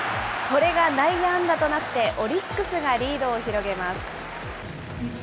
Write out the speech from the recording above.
これが内野安打となってオリックスがリードを広げます。